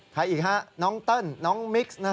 ใครอีกฮะน้องเติ้ลน้องมิกซ์